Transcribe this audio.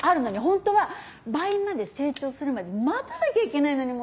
ホントは倍まで成長するまで待たなきゃいけないのに。